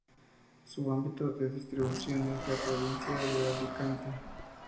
Su ámbito de distribución es la provincia de Alicante.